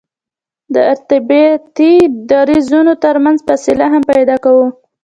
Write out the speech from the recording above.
د ارتباطي درزونو ترمنځ فاصله هم پیدا کوو